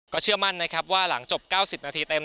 เชื่อมั่นนะครับว่าหลังจบ๙๐นาทีเต็ม